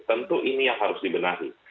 tentu ini yang harus dibenahi